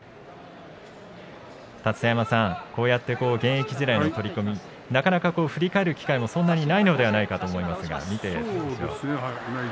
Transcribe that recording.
立田山さん、こうやって現役時代の取組、なかなか振り返る機会もそんなにないと思います。